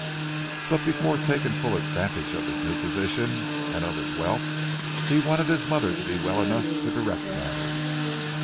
But before taking full advantage of his new position and of his wealth, he wanted his mother to be well enough to direct matters.